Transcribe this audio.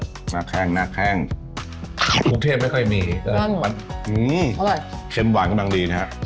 หน้าแข้งหน้าแข้งภูเขตไม่ค่อยมีอืมอร่อยเค็มหวานก็ดังดีนะฮะ